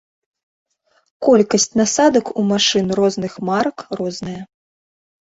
Колькасць насадак у машын розных марак розная.